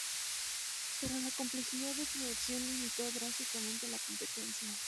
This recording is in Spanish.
Pero la complejidad de producción limitó drásticamente la competencia.